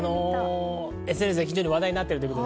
ＳＮＳで非常に話題になっているんです。